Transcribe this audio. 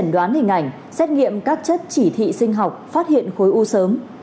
đoán hình ảnh xét nghiệm các chất chỉ thị sinh học phát hiện khối u sớm